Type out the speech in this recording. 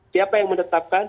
siapa yang menetapkan